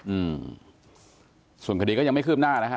อืมส่วนคดีก็ยังไม่เคลือบหน้านะครับ